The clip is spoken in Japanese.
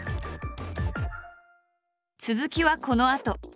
続きはこのあと。